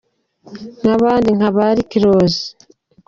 I n’abandi nka ba Rick Ross.